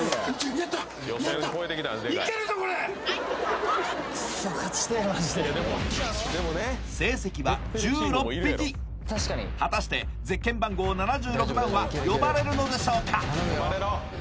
やったやったっクッソ成績は１６匹果たしてゼッケン番号７６番は呼ばれるのでしょうか？